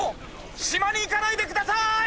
しまにいかないでください！